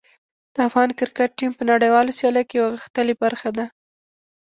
د افغان کرکټ ټیم په نړیوالو سیالیو کې یوه غښتلې برخه ده.